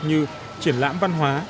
như triển lãm văn hóa